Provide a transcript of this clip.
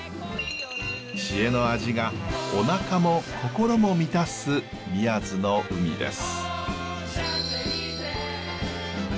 知恵の味がおなかも心も満たす宮津の海です。